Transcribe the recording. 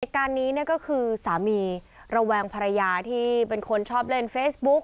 การนี้ก็คือสามีระแวงภรรยาที่เป็นคนชอบเล่นเฟซบุ๊ก